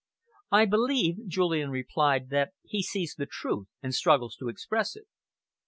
"I believe," Julian replied, "that he sees the truth and struggles to express it."